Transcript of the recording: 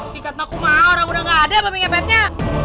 disikat nakumah orang udah nggak ada babi ngepetnya